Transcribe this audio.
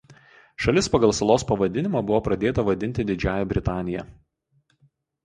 Šalis pagal salos pavadinimą buvo pradėta vadinti Didžiąja Britanija.